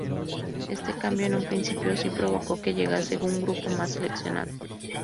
Este cambio en un principio si provocó que llegase un grupo más seleccionado.